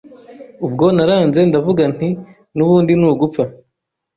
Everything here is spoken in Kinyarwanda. Ubwo naranze ndavuga nti nubundi ni ugupfa